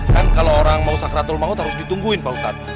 kan kalau orang mau sakratul maut harus ditungguin pak ustadz